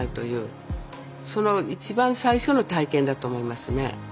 その一番最初の体験だと思いますね。